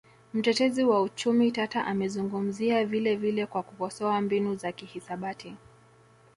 Mtetezi wa uchumi tata amezungumzia vilevile kwa kukosoa mbinu za kihisabati